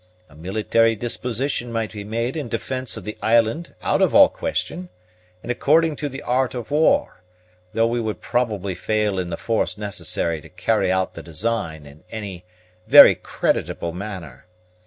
A military disposition might be made in defence of the island, out of all question, and according to the art of war, though we would probably fail in the force necessary to carry out the design in any very creditable manner.